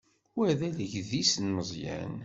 Wa d alegdis n Meẓyan.